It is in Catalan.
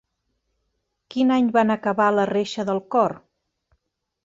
Quin any van acabar la reixa del cor?